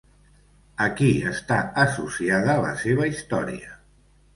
A qui està associada la seva història?